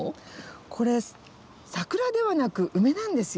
これ桜ではなくウメなんですよ。